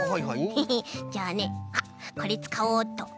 ヘヘッじゃあねあっこれつかおうっと。